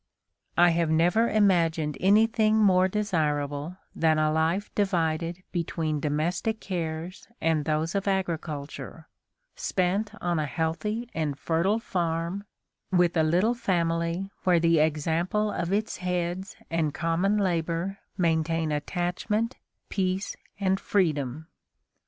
"I have never imagined anything more desirable than a life divided between domestic cares and those of agriculture, spent on a healthy and fertile farm, with a little family where the example of its heads and common labor maintain attachment, peace, and freedom."